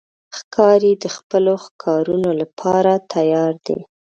ښکاري د خپلو ښکارونو لپاره تیار دی.